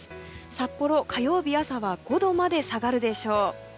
札幌、火曜日朝は５度まで下がるでしょう。